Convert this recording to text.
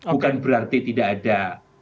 bukan berarti tidak ada